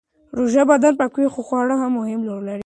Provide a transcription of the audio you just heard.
روژه بدن پاکوي خو خواړه مهم رول لري.